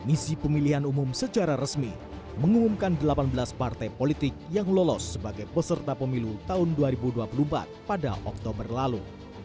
komisi pemilihan umum secara resmi mengumumkan delapan belas partai politik yang lolos sebagai peserta pemilu tahun dua ribu dua puluh empat pada oktober lalu